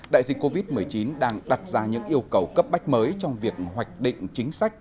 đại dịch covid một mươi chín đang đặt ra những yêu cầu cấp bách mới trong việc hoạch định chính sách